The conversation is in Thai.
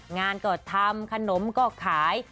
งานก็ทำขนมก็ขาย